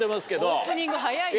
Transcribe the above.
オープニング早いよ。